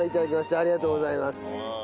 ありがとうございます。